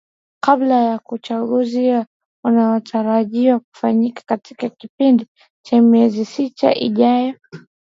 kabla ya uchaguzi unaotarajiwa kufanyika katika kipindi cha miezi sita ijayo